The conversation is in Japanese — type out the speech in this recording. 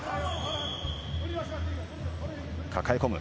抱え込む。